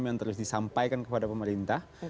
yang terus disampaikan kepada pemerintah